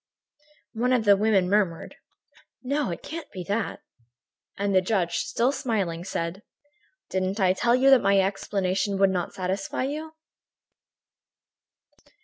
One of the women murmured: "No, it can't be that." And the judge, still smiling, said: "Didn't I tell you that my explanation would not satisfy you?"